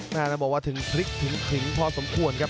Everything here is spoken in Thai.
น่าจะบอกว่าถึงพลิกถึงถึงพอสมควรครับ